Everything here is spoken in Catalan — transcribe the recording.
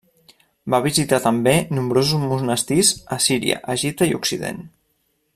Va visitar també nombrosos monestirs a Síria, Egipte i Occident.